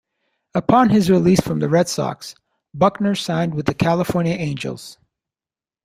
Upon his release from the Red Sox, Buckner signed with the California Angels.